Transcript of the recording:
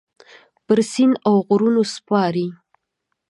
پر سیند اوغرونو سپارې